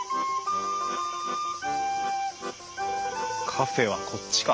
カフェはこっちか。